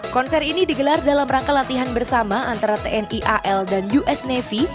konser ini digelar dalam rangka latihan bersama antara tni al dan us navy